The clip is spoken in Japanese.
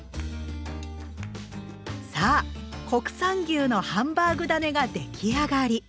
さあ国産牛のハンバーグだねが出来上がり。